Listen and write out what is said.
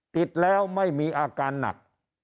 ติดแล้วไม่มีอาการหนัก